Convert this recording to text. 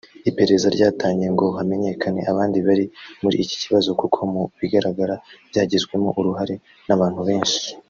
Iperereza ryatangiye ngo hamenyekane abandi bari muri iki kibazo kuko mu bigaragara byagizwemo uruhare n’abantu benshi